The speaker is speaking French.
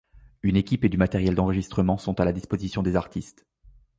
Une équipe et du matériel d'enregistrement sont à la disposition des artistes.